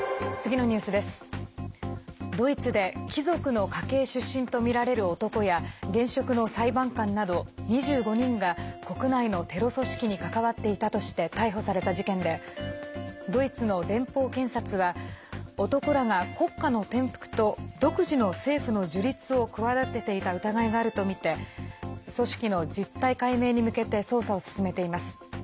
ドイツで貴族の家系出身とみられる男や現職の裁判官など２５人が国内のテロ組織に関わっていたとして逮捕された事件でドイツの連邦検察は男らが国家の転覆と独自の政府の樹立を企てていた疑いがあるとみて組織の実態解明に向けて捜査を進めています。